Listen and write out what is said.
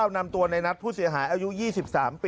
นำตัวในนัดผู้เสียหายอายุ๒๓ปี